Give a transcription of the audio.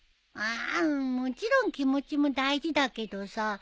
ああんもちろん気持ちも大事だけどさ。